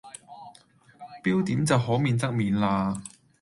標點就可免則免喇